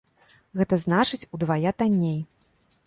Гэта значыць, удвая танней.